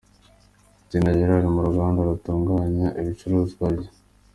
Sina Gerard mu ruganda rutunganya ibicuruzwa bye.